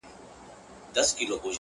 د ظالم لور;